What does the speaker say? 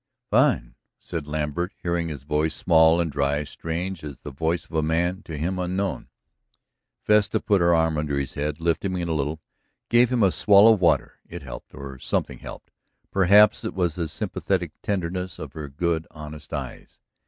"Fine," said Lambert, hearing his voice small and dry, strange as the voice of a man to him unknown. Vesta put her arm under his head, lifted him a little, gave him a swallow of water. It helped, or something helped. Perhaps it was the sympathetic tenderness of her good, honest eyes.